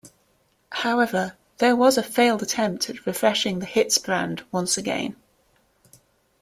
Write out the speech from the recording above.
However, there was a failed attempt at refreshing the "Hits" brand once again.